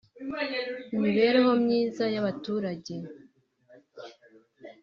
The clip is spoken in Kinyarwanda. imibereho myiza y’abatuarage